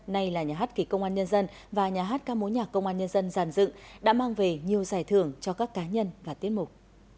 nay là nhà hát kỳ công an nhân dân và nhà hát ca mối nhạc công an nhân dân giàn dựng đã mang về nhiều giải thưởng cho các cá nhân và tiết mục